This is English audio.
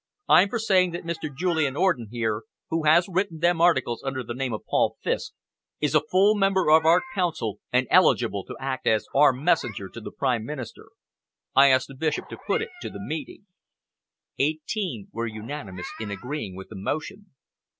I'm for saying that Mr. Julian Orden here, who has written them articles under the name of 'Paul Fiske', is a full member of our Council and eligible to act as our messenger to the Prime Minister. I ask the Bishop to put it to the meeting." Eighteen were unanimous in agreeing with the motion.